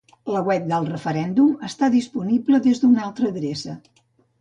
La web del referèndum està disponible des d'una altra adreça